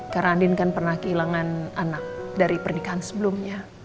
karena andien kan pernah kehilangan anak dari pernikahan sebelumnya